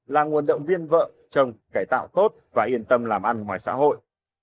là nguồn động viên vợ chồng cải tạo tốt và yên tâm làm ăn ngoài xã hội